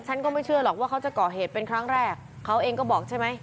ฉันก็ไม่เชื่อหรอกว่าเขาจะก่อเหตุเป็นครั้งแรกเขาเองก็บอกใช่ไหม